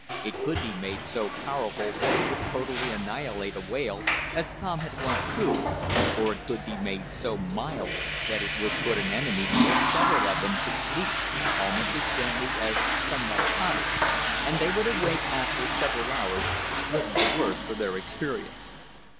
It could be made so powerful that it would totally annihilate a whale, as Tom had once proved, or it could be made so mild that it would put an enemy, or several of them, to sleep almost as gently as some narcotic, and they would awaken after several hours, little the worse for their experience.